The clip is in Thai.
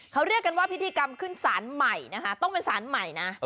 เขาเรียกกันว่าพิธีกรรมขึ้นสารใหม่นะคะต้องเป็นสารใหม่นะ